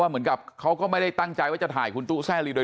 เหมือนกับเขาก็ไม่ได้ตั้งใจว่าจะถ่ายคุณตู้แซ่ลีโดย